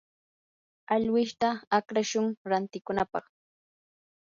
alwishta akrashun rantikunapaq.